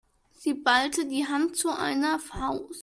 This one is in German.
Sie ballte die Hand zu einer Faust.